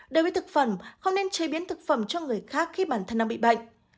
đối với thực phẩm không nên chế biến thực phẩm cho người khác khi bản thân đang bị bệnh